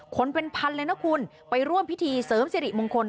คนเป็นพันเลยนะคุณไปร่วมพิธีเสริมสิริมงคล